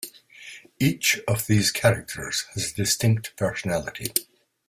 Each of these characters has a distinct personality.